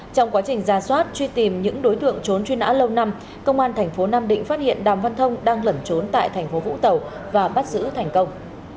trong quá trình ra soát truy tìm những đối tượng trốn truy nã lâu năm công an thành phố nam định phát hiện đàm văn thông đang lẩn trốn tại thành phố vũng tàu và bắt giữ thành công